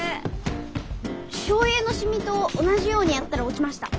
醤油のシミと同じようにやったら落ちました。